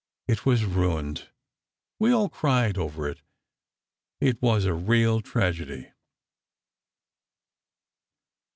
It was ruined. We all cried over it; it was a real tragedy."